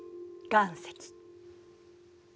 岩石？